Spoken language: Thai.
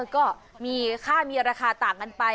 ก็มีค่ามีราคาต่างกันไป